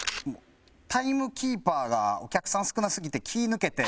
タイムキーパーがお客さん少なすぎて気ぃ抜けて。